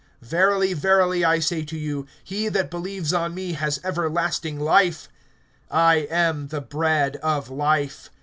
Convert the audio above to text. (47)Verily, verily, I say to you, he that believes on me has everlasting life. (48)I am the bread of life.